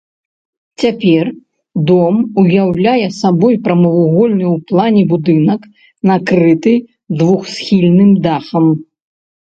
Цяпер дом уяўляе сабой прамавугольны ў плане будынак накрыты двухсхільным дахам.